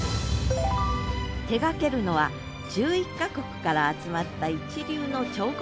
手がけるのは１１か国から集まった一流の彫刻家たち。